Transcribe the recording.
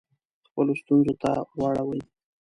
خپلو ستونزو ته واړوي.